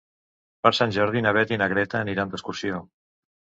Per Sant Jordi na Beth i na Greta aniran d'excursió.